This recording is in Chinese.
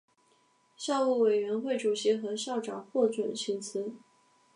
校务委员会主席和校长获准请辞。